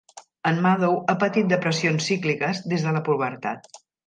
En Maddow ha patit depressions cícliques des de la pubertat.